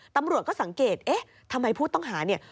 ตำรวจก็สังเกตเอ๊ะทำไมผู้ต้องหาเนี่ย